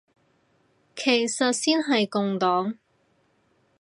其次先係共黨